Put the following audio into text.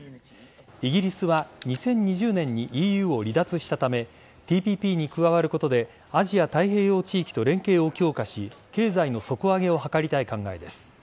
イギリスは２０２０年にＥＵを離脱したためＴＰＰに加わることでアジア太平洋地域と連携を強化し経済の底上げを図りたい考えです。